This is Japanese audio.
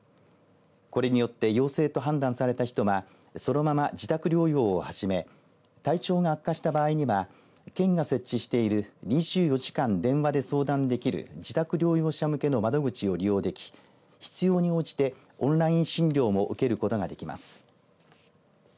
これによって陽性と判断された人はそのまま自宅療養を始め体調が悪化した場合には県が設置している２４時間電話で相談できる自宅療養者向けの窓口を利用でき、必要に応じてオンライン診療も受けることができます。